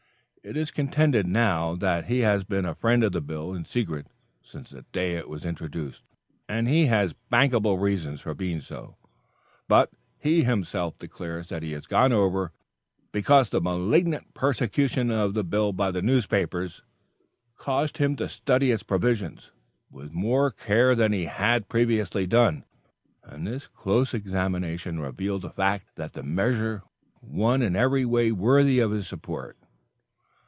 It is contended, now, that he has been a friend to the bill, in secret, since the day it was introduced, and has had bankable reasons for being so; but he himself declares that he has gone over because the malignant persecution of the bill by the newspapers caused him to study its provisions with more care than he had previously done, and this close examination revealed the fact that the measure is one in every way worthy of support.